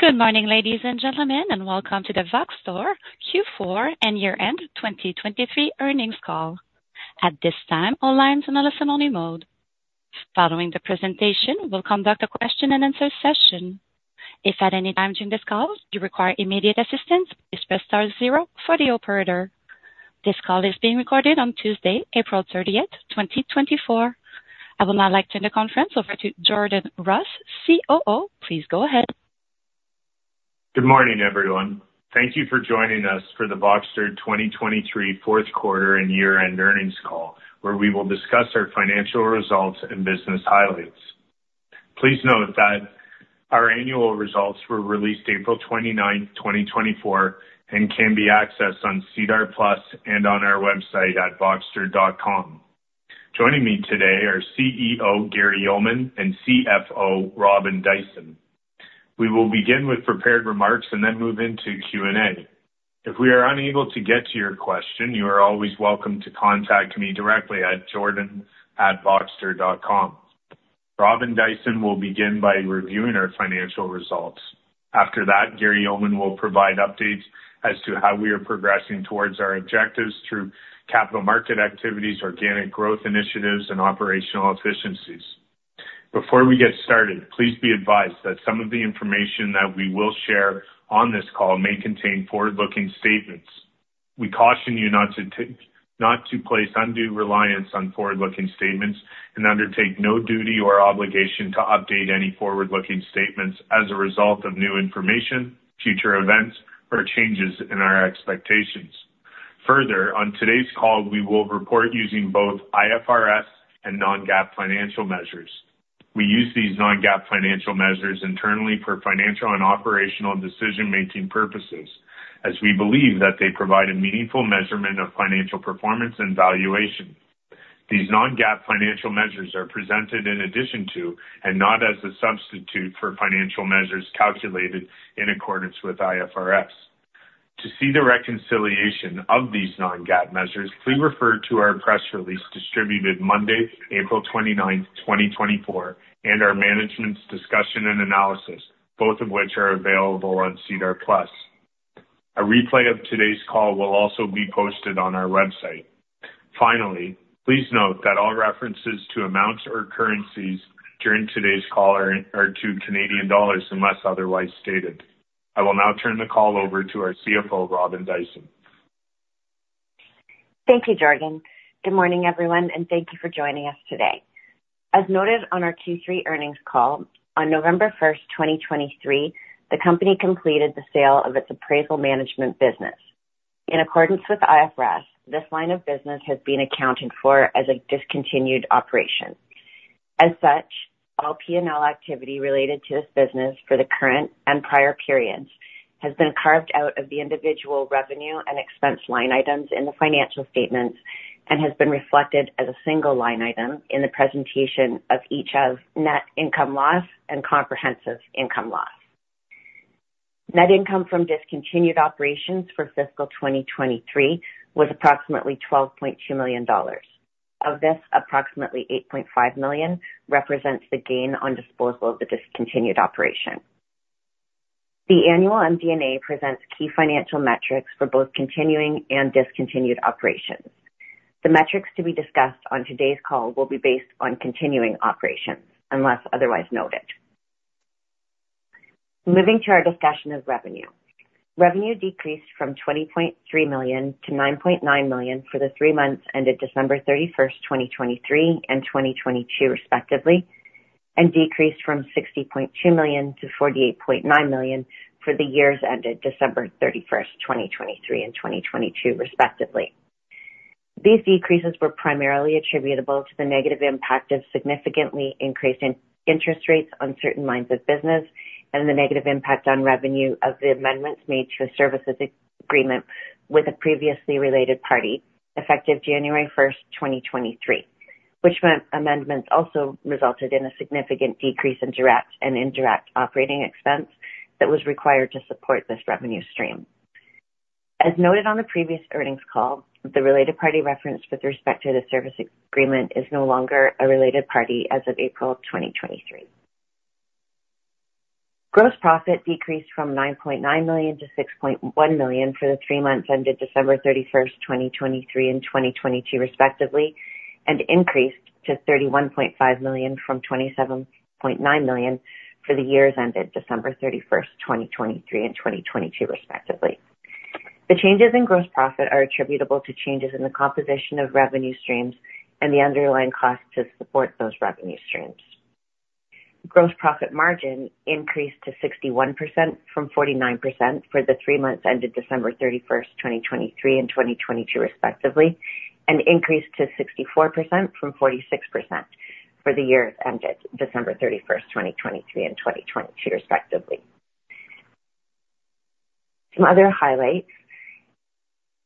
Good morning, ladies and gentlemen, and welcome to the Voxtur Q4 and year-end 2023 earnings call. At this time, all lines on a listen-only mode. Following the presentation, we'll conduct a question-and-answer session. If at any time during this call you require immediate assistance, please press star zero for the operator. This call is being recorded on Tuesday, April 30, 2024. I will now like to turn the conference over to Jordan Ross, COO. Please go ahead. Good morning, everyone. Thank you for joining us for the Voxtur 2023 fourth quarter and year-end earnings call, where we will discuss our financial results and business highlights. Please note that our annual results were released April 29, 2024, and can be accessed on SEDAR+ and on our website at voxtur.com. Joining me today are CEO Gary Yeoman and CFO Robin Dyson. We will begin with prepared remarks and then move into Q&A. If we are unable to get to your question, you are always welcome to contact me directly at jordan@voxtur.com. Robin Dyson will begin by reviewing our financial results. After that, Gary Yeoman will provide updates as to how we are progressing towards our objectives through capital market activities, organic growth initiatives, and operational efficiencies. Before we get started, please be advised that some of the information that we will share on this call may contain forward-looking statements. We caution you not to place undue reliance on forward-looking statements and undertake no duty or obligation to update any forward-looking statements as a result of new information, future events, or changes in our expectations. Further, on today's call, we will report using both IFRS and non-GAAP financial measures. We use these non-GAAP financial measures internally for financial and operational decision-making purposes, as we believe that they provide a meaningful measurement of financial performance and valuation. These non-GAAP financial measures are presented in addition to, and not as a substitute for, financial measures calculated in accordance with IFRS. To see the reconciliation of these non-GAAP measures, please refer to our press release distributed Monday, April 29, 2024, and our management's discussion and analysis, both of which are available on SEDAR+. A replay of today's call will also be posted on our website. Finally, please note that all references to amounts or currencies during today's call are to CAD, unless otherwise stated. I will now turn the call over to our CFO, Robin Dyson. Thank you, Jordan. Good morning, everyone, and thank you for joining us today. As noted on our Q3 earnings call, on November 1, 2023, the company completed the sale of its appraisal management business. In accordance with IFRS, this line of business has been accounted for as a discontinued operation. As such, all P&L activity related to this business for the current and prior periods has been carved out of the individual revenue and expense line items in the financial statements and has been reflected as a single line item in the presentation of each of net income loss and comprehensive income loss. Net income from discontinued operations for fiscal 2023 was approximately 12.2 million dollars. Of this, approximately 8.5 million represents the gain on disposal of the discontinued operation. The annual MD&A presents key financial metrics for both continuing and discontinued operations. The metrics to be discussed on today's call will be based on continuing operations, unless otherwise noted. Moving to our discussion of revenue. Revenue decreased from CAD 20.3 million - CAD 9.9 million for the three months ended December 31, 2023, and 2022, respectively, and decreased from 60.2 million - 48.9 million for the years ended December 31, 2023, and 2022, respectively. These decreases were primarily attributable to the negative impact of significantly increasing interest rates on certain lines of business and the negative impact on revenue of the amendments made to a services agreement with a previously related party, effective January 1, 2023, which amendments also resulted in a significant decrease in direct and indirect operating expense that was required to support this revenue stream. As noted on the previous earnings call, the related party referenced with respect to the service agreement is no longer a related party as of April 2023. Gross profit decreased from 9.9 million - 6.1 million for the three months ended December 31, 2023, and 2022, respectively, and increased to 31.5 million from 27.9 million for the years ended December 31, 2023, and 2022, respectively. The changes in gross profit are attributable to changes in the composition of revenue streams and the underlying cost to support those revenue streams. Gross profit margin increased to 61% from 49% for the three months ended December 31, 2023, and 2022, respectively, and increased to 64% from 46% for the years ended December 31, 2023, and 2022, respectively. Some other highlights.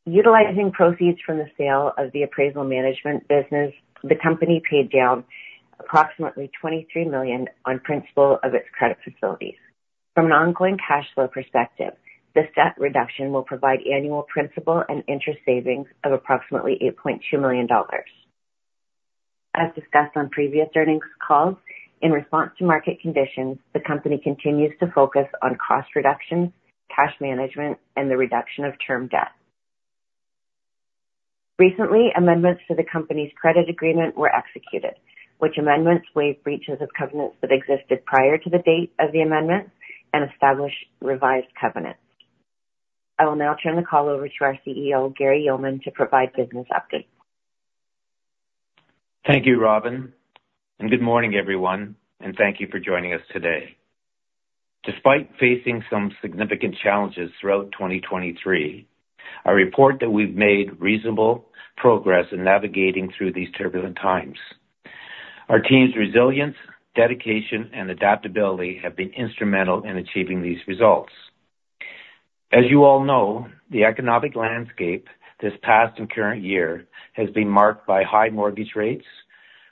Utilizing proceeds from the sale of the appraisal management business, the company paid down approximately 23 million on principal of its credit facilities. From an ongoing cash flow perspective, this debt reduction will provide annual principal and interest savings of approximately 8.2 million dollars. As discussed on previous earnings calls, in response to market conditions, the company continues to focus on cost reduction, cash management, and the reduction of term debt. Recently, amendments to the company's credit agreement were executed, which amendments waive breaches of covenants that existed prior to the date of the amendment and establish revised covenants. I will now turn the call over to our CEO, Gary Yeoman, to provide business updates. Thank you, Robin, and good morning, everyone, and thank you for joining us today. Despite facing some significant challenges throughout 2023, I report that we've made reasonable progress in navigating through these turbulent times. Our team's resilience, dedication, and adaptability have been instrumental in achieving these results. As you all know, the economic landscape this past and current year has been marked by high mortgage rates,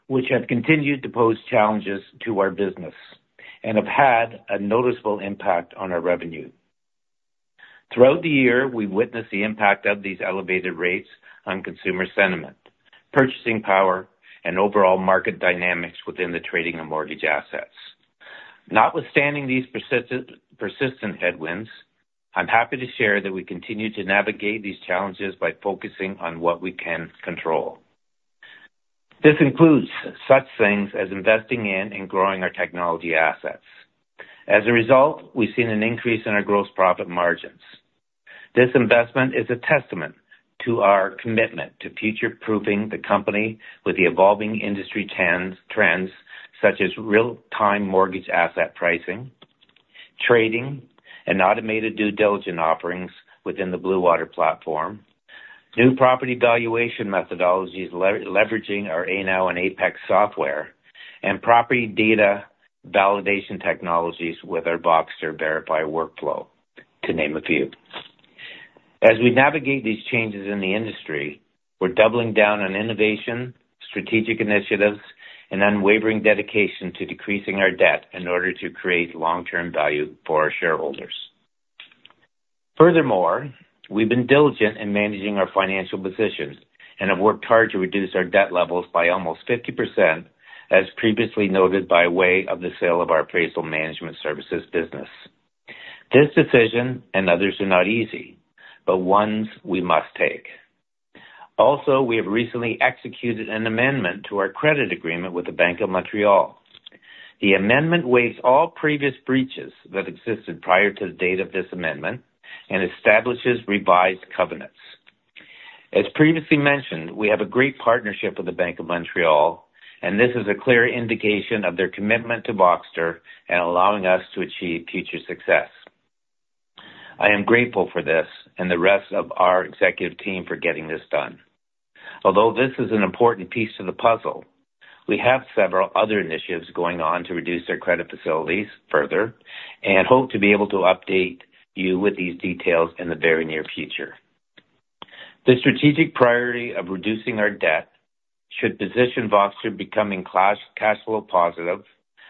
which have continued to pose challenges to our business and have had a noticeable impact on our revenue. Throughout the year, we've witnessed the impact of these elevated rates on consumer sentiment, purchasing power, and overall market dynamics within the trading and mortgage assets. Notwithstanding these persistent, persistent headwinds, I'm happy to share that we continue to navigate these challenges by focusing on what we can control. This includes such things as investing in and growing our technology assets. As a result, we've seen an increase in our gross profit margins. This investment is a testament to our commitment to future-proofing the company with the evolving industry trends, trends such as real-time mortgage asset pricing, trading, and automated due diligent offerings within the Blue Water platform, new property valuation methodologies, leveraging our Anow and APEX software, and property data validation technologies with our Voxtur Verify workflow, to name a few. As we navigate these changes in the industry, we're doubling down on innovation, strategic initiatives, and unwavering dedication to decreasing our debt in order to create long-term value for our shareholders. Furthermore, we've been diligent in managing our financial positions and have worked hard to reduce our debt levels by almost 50%, as previously noted, by way of the sale of our appraisal management services business. This decision and others are not easy, but ones we must take. Also, we have recently executed an amendment to our credit agreement with the Bank of Montreal. The amendment waives all previous breaches that existed prior to the date of this amendment and establishes revised covenants. As previously mentioned, we have a great partnership with the Bank of Montreal, and this is a clear indication of their commitment to Voxtur and allowing us to achieve future success. I am grateful for this and the rest of our executive team for getting this done. Although this is an important piece of the puzzle, we have several other initiatives going on to reduce their credit facilities further and hope to be able to update you with these details in the very near future. The strategic priority of reducing our debt should position Voxtur becoming cash flow positive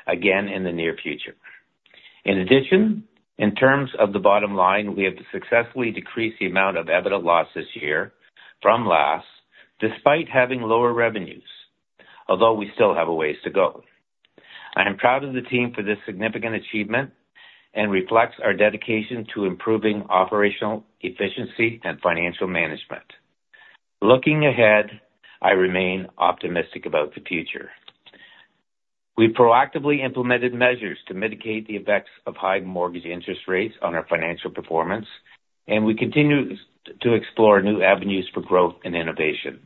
again in the near future. In addition, in terms of the bottom line, we have successfully decreased the amount of net loss this year from last, despite having lower revenues, although we still have a ways to go. I am proud of the team for this significant achievement, which reflects our dedication to improving operational efficiency and financial management. Looking ahead, I remain optimistic about the future. We proactively implemented measures to mitigate the effects of high mortgage interest rates on our financial performance, and we continue to explore new avenues for growth and innovation.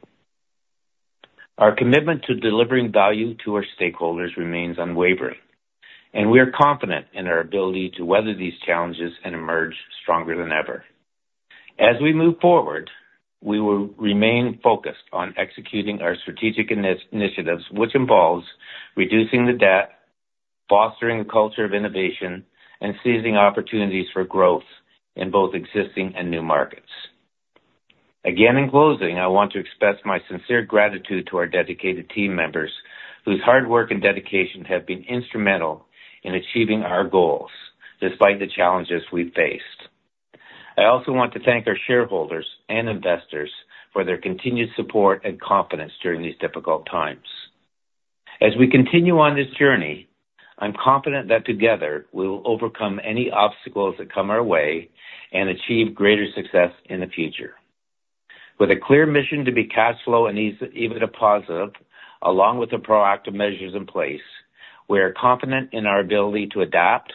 Our commitment to delivering value to our stakeholders remains unwavering, and we are confident in our ability to weather these challenges and emerge stronger than ever. As we move forward, we will remain focused on executing our strategic initiatives, which involves reducing the debt, fostering a culture of innovation, and seizing opportunities for growth in both existing and new markets. Again, in closing, I want to express my sincere gratitude to our dedicated team members, whose hard work and dedication have been instrumental in achieving our goals despite the challenges we've faced. I also want to thank our shareholders and investors for their continued support and confidence during these difficult times. As we continue on this journey, I'm confident that together, we will overcome any obstacles that come our way and achieve greater success in the future. With a clear mission to be cash flow and EBITDA positive, along with the proactive measures in place, we are confident in our ability to adapt,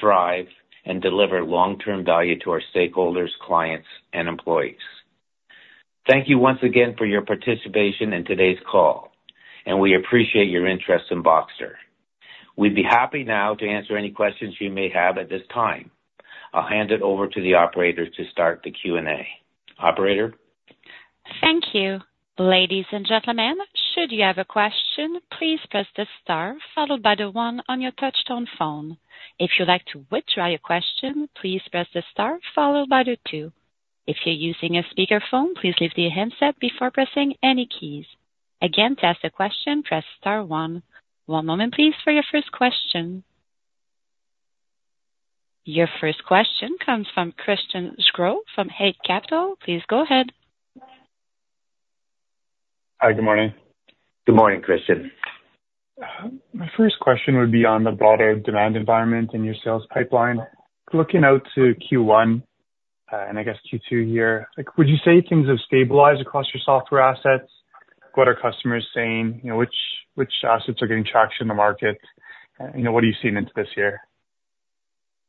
thrive, and deliver long-term value to our stakeholders, clients, and employees. Thank you once again for your participation in today's call, and we appreciate your interest in Voxtur. We'd be happy now to answer any questions you may have at this time. I'll hand it over to the operator to start the Q&A. Operator? Thank you. Ladies and gentlemen, should you have a question, please press the star followed by the one on your touchtone phone. If you'd like to withdraw your question, please press the star followed by the two. If you're using a speakerphone, please leave the handset before pressing any keys. Again, to ask a question, press star one. One moment, please, for your first question.... Your first question comes from Christian Sgro from Eight Capital. Please go ahead. Hi, good morning. Good morning, Christian. My first question would be on the broader demand environment in your sales pipeline. Looking out to Q1, and I guess Q2 here, like, would you say things have stabilized across your software assets? What are customers saying? You know, which, which assets are getting traction in the market? You know, what are you seeing into this year?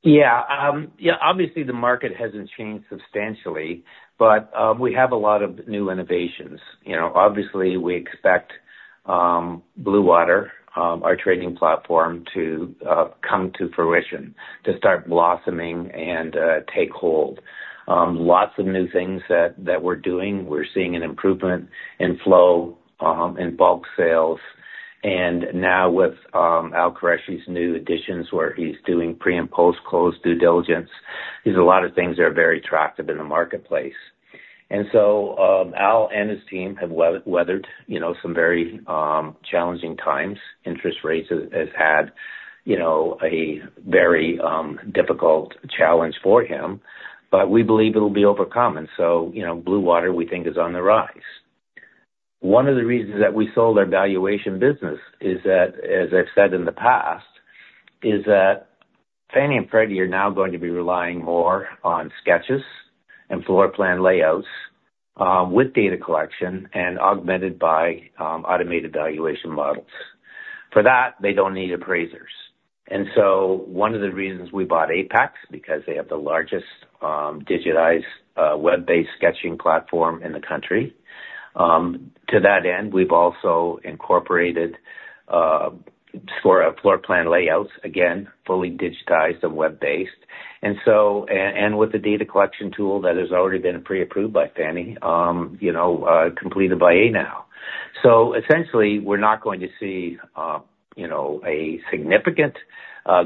Yeah, yeah, obviously the market hasn't changed substantially, but we have a lot of new innovations. You know, obviously, we expect Blue Water, our trading platform, to come to fruition, to start blossoming and take hold. Lots of new things that we're doing. We're seeing an improvement in flow in bulk sales, and now with Al Qureshi's new additions, where he's doing pre- and post-close due diligence, there's a lot of things that are very attractive in the marketplace. And so, Al and his team have weathered, you know, some very challenging times. Interest rates has had, you know, a very difficult challenge for him, but we believe it'll be overcome. And so, you know, Blue Water, we think, is on the rise. One of the reasons that we sold our valuation business is that, as I've said in the past, is that Fannie and Freddie are now going to be relying more on sketches and floor plan layouts, with data collection and augmented by automated valuation models. For that, they don't need appraisers. And so one of the reasons we bought Apex, because they have the largest digitized web-based sketching platform in the country. To that end, we've also incorporated floor plan layouts, again, fully digitized and web-based. And so, and with the data collection tool that has already been pre-approved by Fannie, you know, completed by Anow. So essentially, we're not going to see, you know, a significant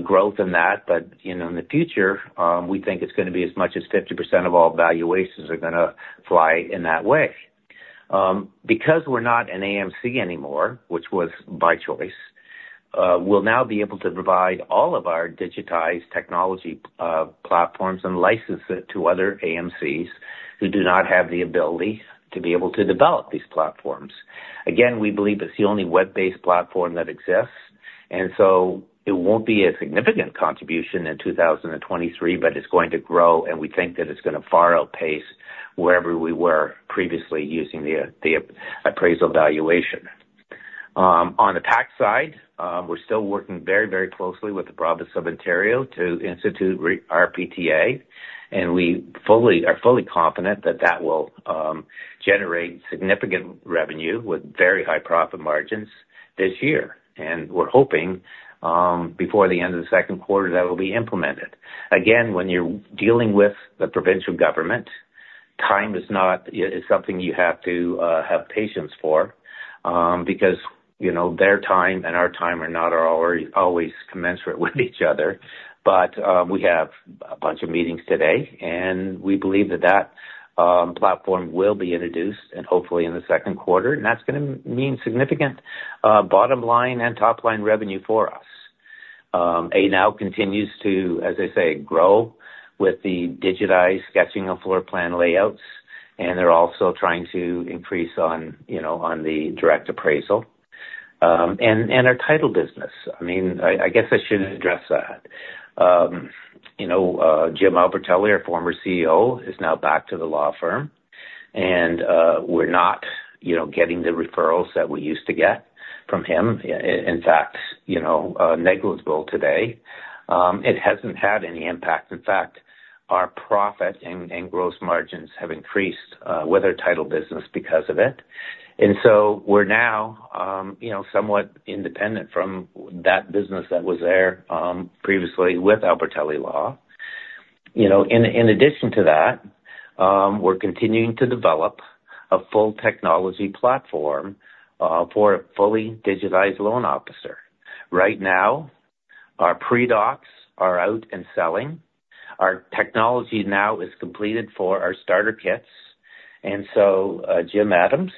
growth in that, but, you know, in the future, we think it's gonna be as much as 50% of all valuations are gonna fly in that way. Because we're not an AMC anymore, which was by choice, we'll now be able to provide all of our digitized technology platforms and license it to other AMCs who do not have the ability to be able to develop these platforms. Again, we believe it's the only web-based platform that exists, and so it won't be a significant contribution in 2023, but it's going to grow, and we think that it's gonna far outpace wherever we were previously using the appraisal valuation. On the tax side, we're still working very, very closely with the province of Ontario to institute RPTA, and we are fully confident that that will generate significant revenue with very high profit margins this year. And we're hoping, before the end of the second quarter, that will be implemented. Again, when you're dealing with the provincial government, time is not... is something you have to have patience for, because, you know, their time and our time are not always commensurate with each other. But, we have a bunch of meetings today, and we believe that that platform will be introduced and hopefully in the second quarter, and that's gonna mean significant bottom line and top-line revenue for us. Anow continues to, as I say, grow with the digitized sketching of floor plan layouts, and they're also trying to increase on, you know, on the direct appraisal. And our title business. I mean, I guess I should address that. You know, Jim Albertelli, our former CEO, is now back to the law firm, and we're not, you know, getting the referrals that we used to get from him. In fact, you know, negligible today. It hasn't had any impact. In fact, our profit and gross margins have increased with our title business because of it. And so we're now, you know, somewhat independent from that business that was there previously with Albertelli Law. You know, in addition to that, we're continuing to develop a full technology platform for a fully digitized loan officer. Right now, our pre-docs are out and selling. Our technology now is completed for our starter kits, and so, Jim Adams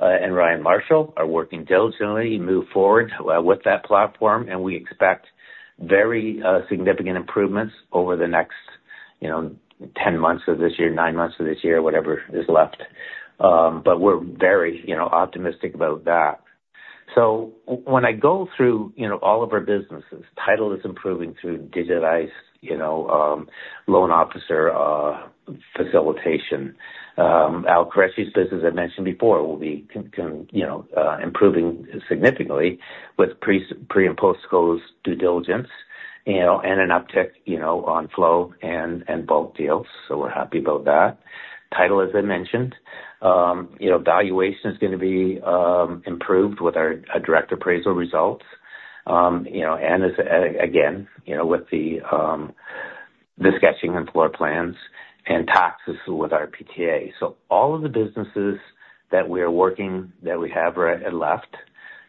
and Ryan Marshall are working diligently to move forward with that platform, and we expect very significant improvements over the next, you know, 10 months of this year, nine months of this year, whatever is left. But we're very, you know, optimistic about that. So when I go through, you know, all of our businesses, Title is improving through digitized, you know, loan officer facilitation. Al Qureshi's business, I mentioned before, will be con... You know, improving significantly with pre- and post-close due diligence, you know, and an uptick, you know, on flow and bulk deals. So we're happy about that. Title, as I mentioned, you know, valuation is gonna be improved with our direct appraisal results. You know, and as again, you know, with the sketching and floor plans and taxes with RPTA. So all of the businesses that we are working, that we have left,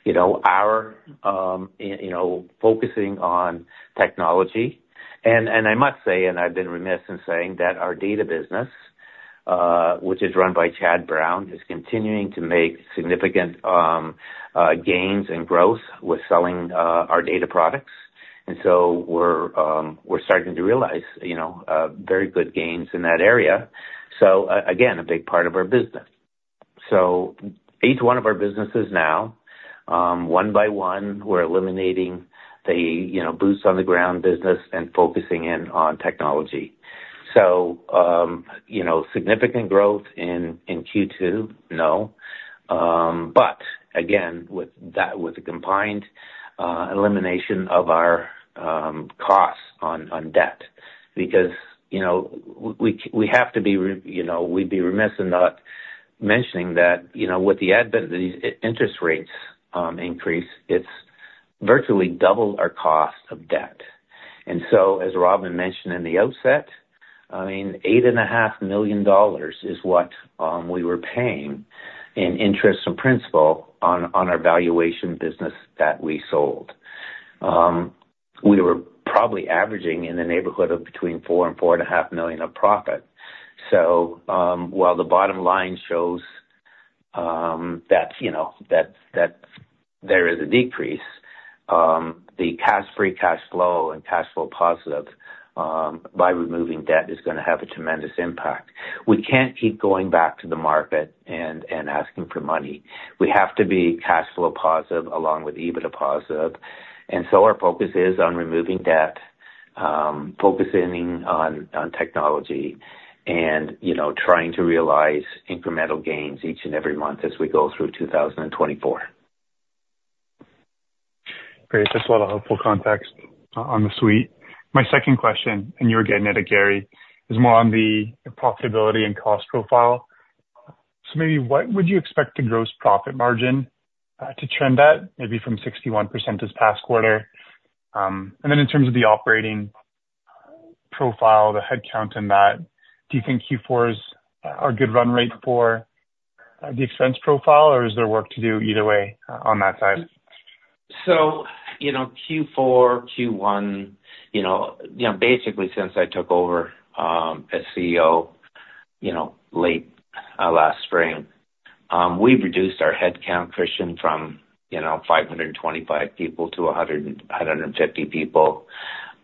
you know, are focusing on technology. And I must say, and I've been remiss in saying, that our data business, which is run by Chad Brown, is continuing to make significant gains and growth with selling our data products. And so we're starting to realize, you know, very good gains in that area. So again, a big part of our business. So each one of our businesses now, one by one, we're eliminating the, you know, boots on the ground business and focusing in on technology. So, you know, significant growth in Q2? No. But again, with that, with the combined elimination of our costs on debt, because, you know, we have to be, you know, we'd be remiss in not mentioning that, you know, with the advent of these interest rates increase, it's virtually doubled our cost of debt. And so, as Robin mentioned in the outset, I mean, 8.5 million dollars is what we were paying in interest and principal on our valuation business that we sold. We were probably averaging in the neighborhood of between 4 million and 4.5 million of profit. So, while the bottom line shows, you know, that there is a decrease, the cash free cash flow and cash flow positive, by removing debt, is gonna have a tremendous impact. We can't keep going back to the market and asking for money. We have to be cash flow positive along with EBITDA positive. And so our focus is on removing debt, focusing on technology and, you know, trying to realize incremental gains each and every month as we go through 2024. Great. That's a lot of helpful context on the suite. My second question, and you were getting at it, Gary, is more on the profitability and cost profile. So maybe what would you expect the gross profit margin to trend at, maybe from 61% this past quarter? And then in terms of the operating profile, the headcount in that, do you think Q4's are a good run rate for the expense profile, or is there work to do either way on that side? So, you know, Q4, Q1, you know, you know, basically since I took over as CEO, you know, late last spring, we've reduced our headcount, Christian, from, you know, 525 people to 150 people.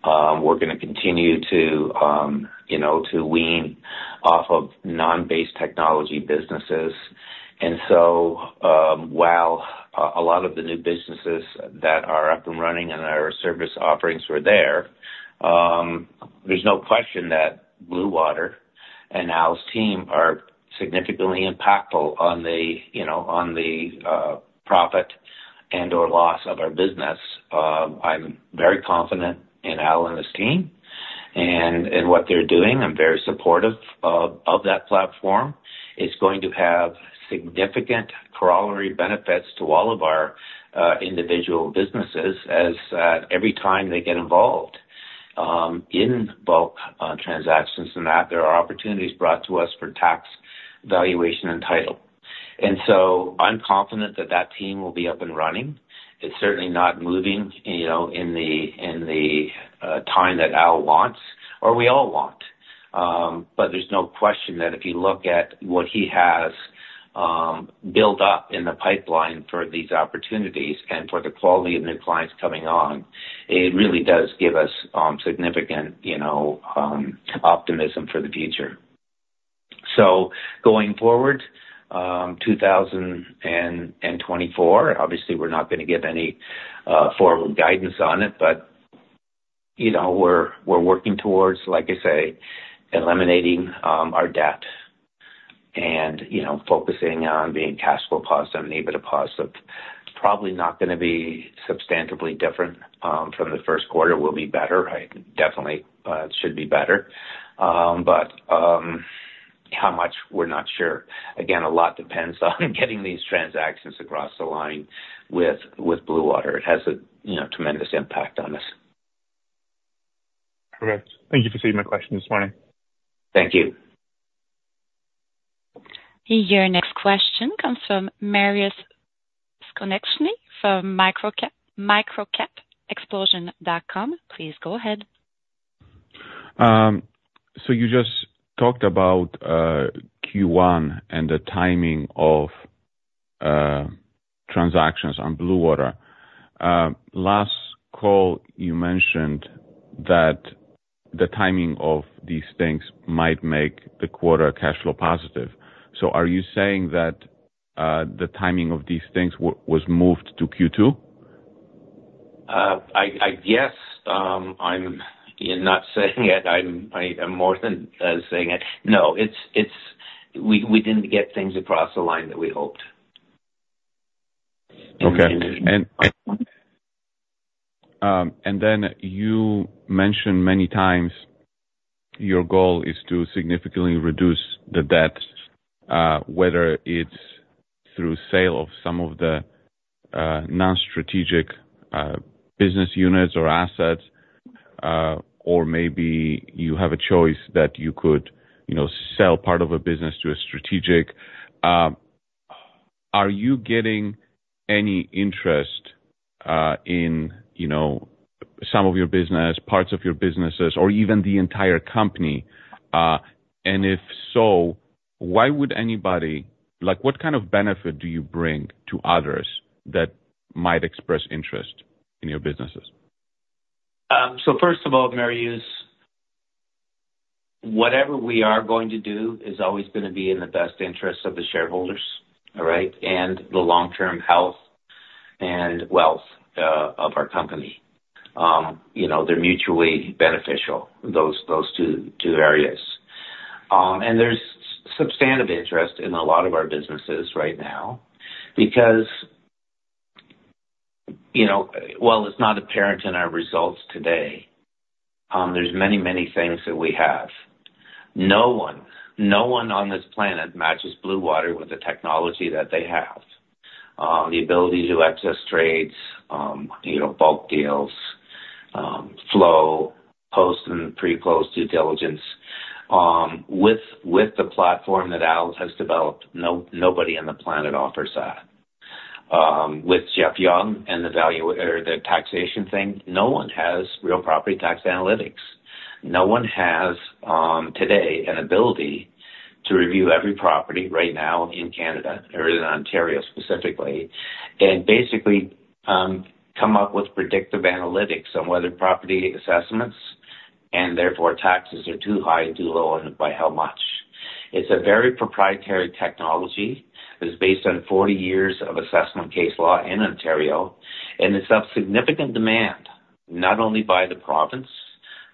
We're gonna continue to, you know, to wean off of non-based technology businesses. And so, while a lot of the new businesses that are up and running and our service offerings were there, there's no question that Bluewater and Al's team are significantly impactful on the, you know, on the profit and/or loss of our business. I'm very confident in Al and his team and what they're doing. I'm very supportive of that platform. It's going to have significant corollary benefits to all of our individual businesses as every time they get involved in bulk transactions, and that there are opportunities brought to us for tax, valuation, and title. So I'm confident that that team will be up and running. It's certainly not moving, you know, in the time that Al wants, or we all want, but there's no question that if you look at what he has built up in the pipeline for these opportunities and for the quality of new clients coming on, it really does give us significant, you know, optimism for the future. So going forward, 2024, obviously, we're not gonna give any formal guidance on it, but, you know, we're working towards, like I say, eliminating our debt and, you know, focusing on being cash flow positive and EBITDA positive. Probably not gonna be substantially different from the first quarter. We'll be better, I definitely should be better. But how much, we're not sure. Again, a lot depends on getting these transactions across the line with Blue Water. It has a, you know, tremendous impact on us. Correct. Thank you for taking my question this morning. Thank you. Your next question comes from Mariusz Skonieczny from microcapexplosion.com. Please go ahead. So you just talked about Q1 and the timing of transactions on Blue Water. Last call, you mentioned that the timing of these things might make the quarter cash flow positive. So are you saying that the timing of these things was moved to Q2? I guess, I'm not saying it. I am more than saying it. No, it's we didn't get things across the line that we hoped. Okay. And then you mentioned many times your goal is to significantly reduce the debt, whether it's through sale of some of the non-strategic business units or assets, or maybe you have a choice that you could, you know, sell part of a business to a strategic.... Are you getting any interest in, you know, some of your business, parts of your businesses, or even the entire company? And if so, why would anybody, like, what kind of benefit do you bring to others that might express interest in your businesses? So first of all, Mariusz, whatever we are going to do is always gonna be in the best interest of the shareholders, all right? And the long-term health and wealth of our company. You know, they're mutually beneficial, those, those two, two areas. And there's substantive interest in a lot of our businesses right now because, you know, while it's not apparent in our results today, there's many, many things that we have. No one, no one on this planet matches Blue Water with the technology that they have. The ability to access trades, you know, bulk deals, flow, post and pre-post due diligence. With the platform that Al has developed, nobody on the planet offers that. With Jeff Young and the value or the taxation thing, no one has real property tax analytics. No one has today an ability to review every property right now in Canada or in Ontario specifically, and basically come up with predictive analytics on whether property assessments and therefore taxes are too high or too low, and by how much. It's a very proprietary technology. It's based on 40 years of assessment case law in Ontario, and it's of significant demand, not only by the province,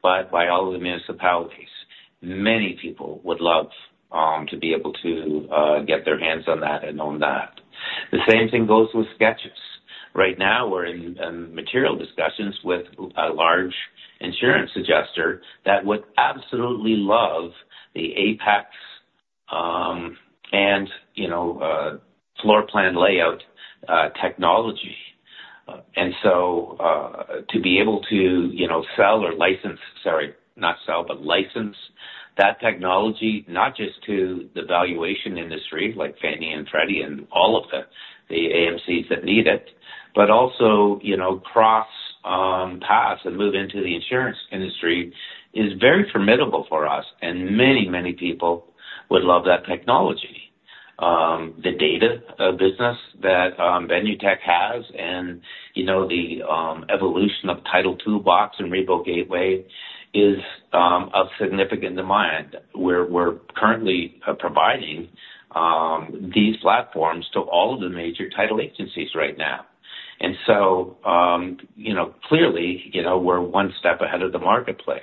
but by all of the municipalities. Many people would love to be able to get their hands on that and own that. The same thing goes with Sketches. Right now, we're in material discussions with a large insurance adjuster that would absolutely love the APEX, and you know floor plan layout technology. And so, to be able to, you know, sell or license, sorry, not sell, but license that technology, not just to the valuation industry, like Fannie and Freddie and all of the, the AMCs that need it, but also, you know, cross paths and move into the insurance industry is very formidable for us, and many, many people would love that technology. The data business that Voxtur has and, you know, the evolution of Title Toolbox and ReboGateway is of significant demand. We're, we're currently providing these platforms to all of the major title agencies right now. And so, you know, clearly, you know, we're one step ahead of the marketplace.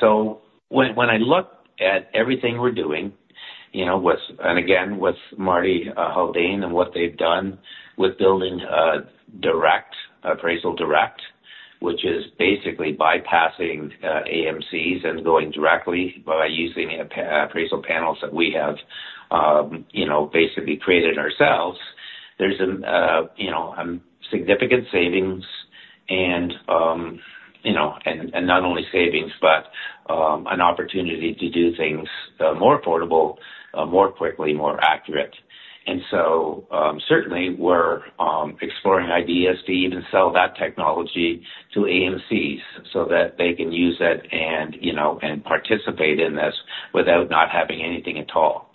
So when, when I look at everything we're doing, you know, with... And again, with Marty Haldane, and what they've done with building a direct Appraisal Direct, which is basically bypassing AMCs and going directly by using appraisal panels that we have, you know, basically created ourselves. There's an, you know, significant savings and, you know, and not only savings, but an opportunity to do things more affordable, more quickly, more accurate. And so, certainly we're exploring ideas to even sell that technology to AMCs so that they can use it and, you know, and participate in this without not having anything at all.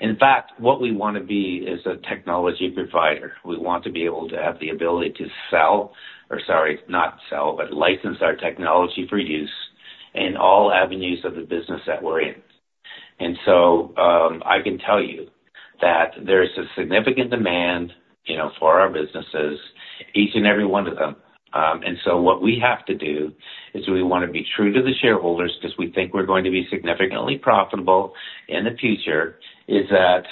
In fact, what we wanna be is a technology provider. We want to be able to have the ability to sell or, sorry, not sell, but license our technology for use in all avenues of the business that we're in. And so, I can tell you that there's a significant demand, you know, for our businesses, each and every one of them. What we have to do is we wanna be true to the shareholders because we think we're going to be significantly profitable in the future, is that,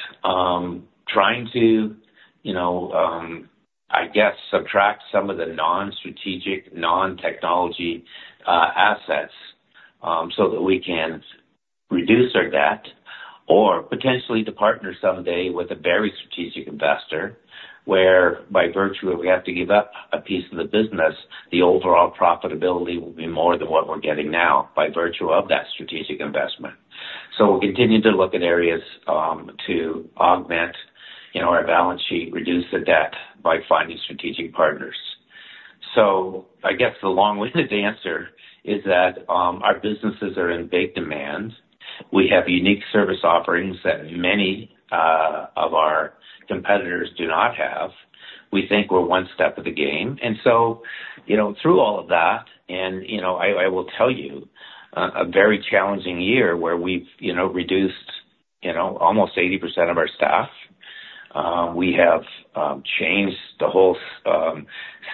trying to, you know, I guess, subtract some of the non-strategic, non-technology, assets, so that we can reduce our debt or potentially to partner someday with a very strategic investor, where by virtue, if we have to give up a piece of the business, the overall profitability will be more than what we're getting now by virtue of that strategic investment. We'll continue to look at areas, to augment, you know, our balance sheet, reduce the debt by finding strategic partners. So I guess the long-winded answer is that our businesses are in big demand. We have unique service offerings that many of our competitors do not have. We think we're one step of the game, and so, you know, through all of that and, you know, I will tell you a very challenging year where we've, you know, reduced almost 80% of our staff. We have changed the whole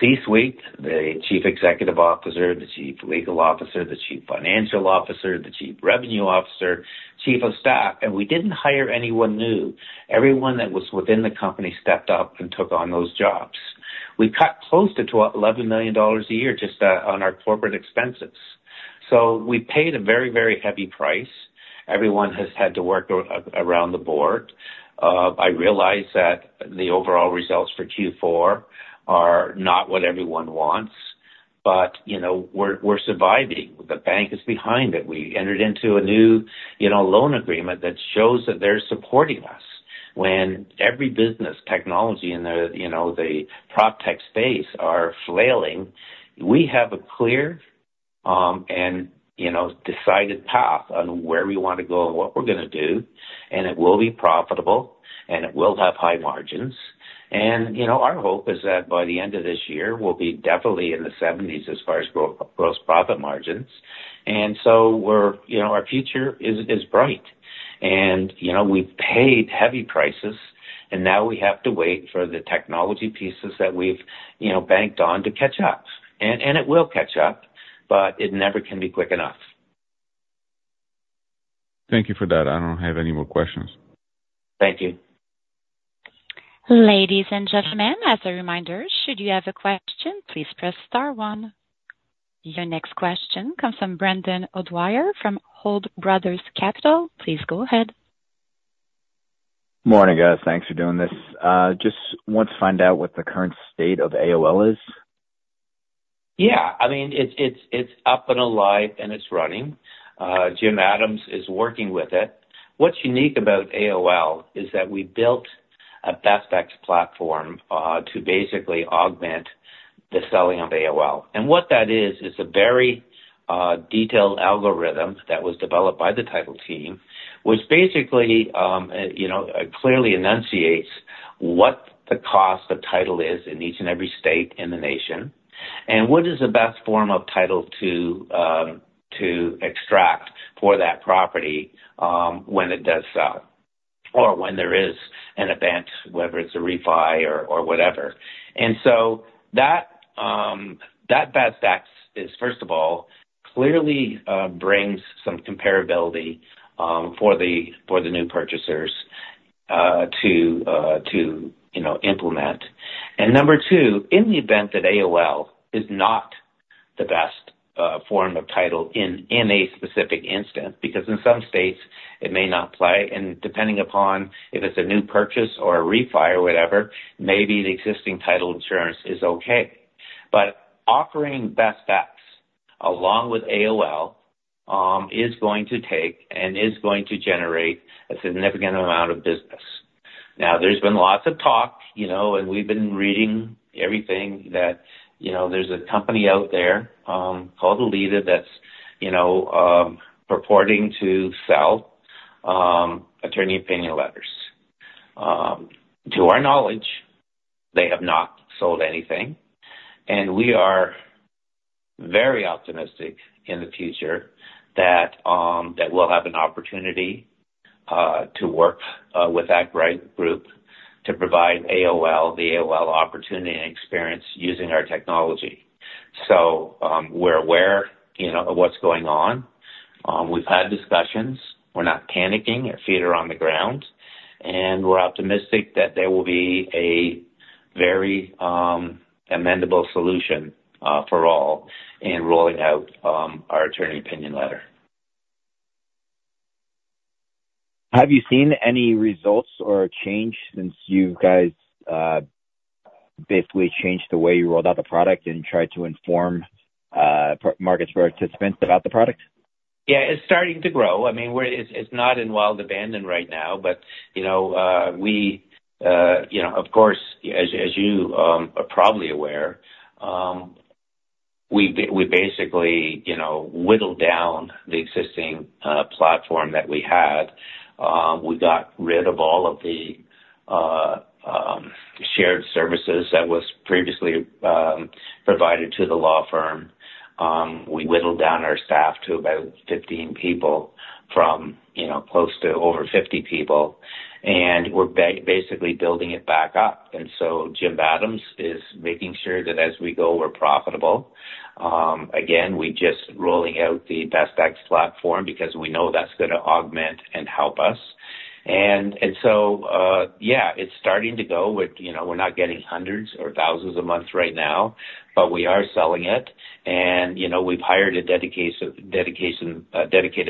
C-suite, the Chief Executive Officer, the Chief Legal Officer, the Chief Financial Officer, the Chief Revenue Officer, Chief of Staff, and we didn't hire anyone new. Everyone that was within the company stepped up and took on those jobs. We cut close to 11 million dollars a year just on our corporate expenses. So we paid a very, very heavy price. Everyone has had to work around the board. I realize that the overall results for Q4 are not what everyone wants, but, you know, we're, we're surviving. The bank is behind it. We entered into a new, you know, loan agreement that shows that they're supporting us. When every business technology in the, you know, the proptech space are flailing, we have a clear, and, you know, decided path on where we want to go and what we're gonna do, and it will be profitable, and it will have high margins. And, you know, our hope is that by the end of this year, we'll be definitely in the seventies as far as gross profit margins. And so we're, you know, our future is, is bright. And, you know, we've paid heavy prices, and now we have to wait for the technology pieces that we've, you know, banked on to catch up. It will catch up, but it never can be quick enough. Thank you for that. I don't have any more questions. Thank you. Ladies and gentlemen, as a reminder, should you have a question, please press star one. Your next question comes from Brendan O'Dwyer from Hold Brothers Capital. Please go ahead. Morning, guys. Thanks for doing this. Just want to find out what the current state of AOL is. Yeah. I mean, it's up and alive, and it's running. Jim Adams is working with it. What's unique about AOL is that we built a BestX platform to basically augment the selling of AOL. And what that is, is a very detailed algorithm that was developed by the title team, which basically, you know, clearly enunciates what the cost of title is in each and every state in the nation, and what is the best form of title to extract for that property when it does sell or when there is an event, whether it's a refi or whatever. And so that BestX is, first of all, clearly brings some comparability for the new purchasers to, you know, implement. And number two, in the event that AOL is not the best form of title in a specific instance, because in some states it may not play, and depending upon if it's a new purchase or a refi or whatever, maybe the existing title insurance is okay. But offering BestX along with AOL is going to take and is going to generate a significant amount of business. Now, there's been lots of talk, you know, and we've been reading everything that, you know, there's a company out there called Alita that's, you know, purporting to sell attorney opinion letters. To our knowledge, they have not sold anything, and we are very optimistic in the future that we'll have an opportunity to work with that bright group to provide AOL, the AOL opportunity and experience using our technology. So, we're aware, you know, of what's going on. We've had discussions. We're not panicking. Our feet are on the ground, and we're optimistic that there will be a very, amendable solution, for all in rolling out, our attorney opinion letter. Have you seen any results or change since you guys basically changed the way you rolled out the product and tried to inform market participants about the product? Yeah, it's starting to grow. I mean, we're... It's, it's not in wild abandon right now, but, you know, we, you know, of course, as, as you, are probably aware, we basically, you know, whittled down the existing platform that we had. We got rid of all of the shared services that was previously provided to the law firm. We whittled down our staff to about 15 people from, you know, close to over 50 people, and we're basically building it back up. And so Jim Adams is making sure that as we go, we're profitable. Again, we're just rolling out the BestX platform because we know that's gonna augment and help us. So yeah, it's starting to go with, you know, we're not getting hundreds or thousands a month right now, but we are selling it. You know, we've hired a dedicated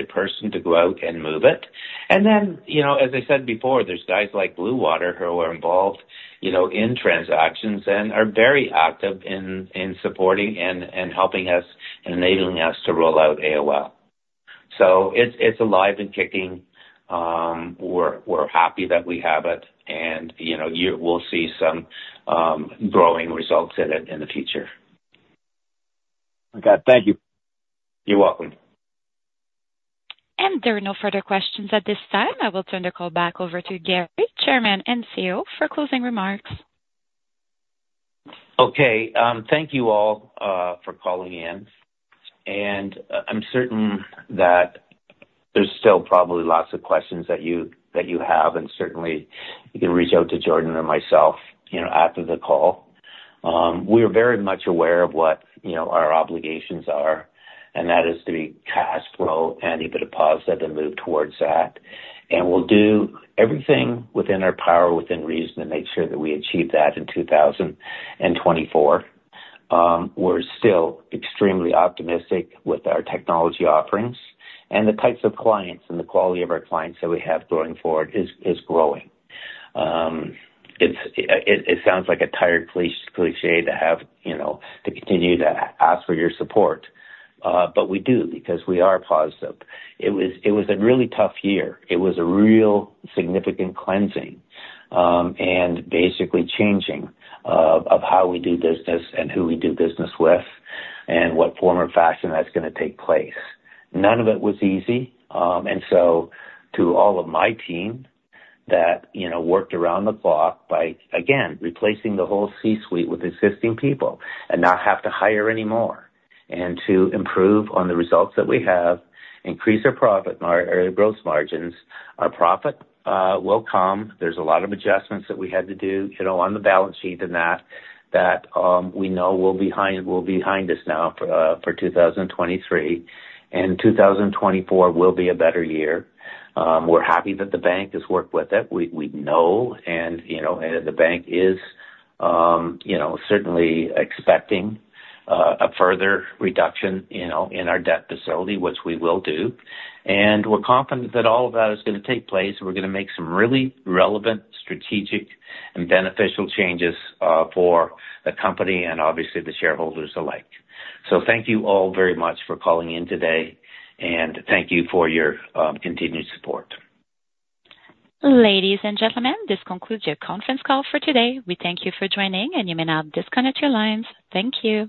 person to go out and move it. And then, you know, as I said before, there's guys like Blue Water who are involved, you know, in transactions and are very active in supporting and helping us and enabling us to roll out AOL. So it's alive and kicking. We're happy that we have it and, you know, we'll see some growing results in it in the future. Okay. Thank you. You're welcome. There are no further questions at this time. I will turn the call back over to Gary, Chairman and CEO, for closing remarks. Okay. Thank you all for calling in, and I'm certain that there's still probably lots of questions that you, that you have, and certainly, you can reach out to Jordan or myself, you know, after the call. We are very much aware of what, you know, our obligations are, and that is to be cash flow and even positive and move towards that. We'll do everything within our power, within reason, to make sure that we achieve that in 2024. We're still extremely optimistic with our technology offerings and the types of clients and the quality of our clients that we have going forward is growing. It sounds like a tired cliché to have, you know, to continue to ask for your support, but we do because we are positive. It was, it was a really tough year. It was a real significant cleansing, and basically changing of, of how we do business and who we do business with and what form or fashion that's gonna take place. None of it was easy. And so to all of my team that, you know, worked around the clock by, again, replacing the whole C-suite with existing people and not have to hire any more, and to improve on the results that we have, increase our profit, our gross margins, our profit, will come. There's a lot of adjustments that we had to do, you know, on the balance sheet and that, that, we know will behind, will behind us now, for 2023, and 2024 will be a better year. We're happy that the bank has worked with it. We know, and you know, the bank is, you know, certainly expecting a further reduction, you know, in our debt facility, which we will do. And we're confident that all of that is gonna take place, and we're gonna make some really relevant, strategic, and beneficial changes for the company and obviously the shareholders alike. So thank you all very much for calling in today, and thank you for your continued support. Ladies and gentlemen, this concludes your conference call for today. We thank you for joining, and you may now disconnect your lines. Thank you.